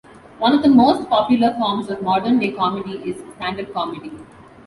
One of the most popular forms of modern-day comedy is stand-up comedy.